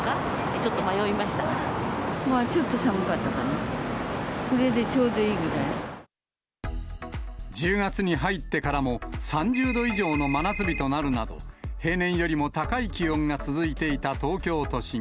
ちょっと寒かったかな、１０月に入ってからも、３０度以上の真夏日となるなど、平年よりも高い気温が続いていた東京都心。